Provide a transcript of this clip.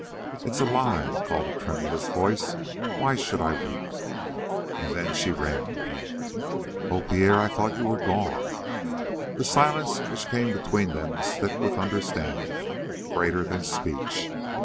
"It's a lie," called a tremulous voice. "Why should I weep?" And then she ran to him. "Oh, Pierre, I thought you were gone!" That silence which came between them was thick with understanding greater than speech.